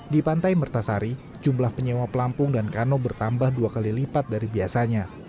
di pantai mertasari jumlah penyewa pelampung dan kano bertambah dua kali lipat dari biasanya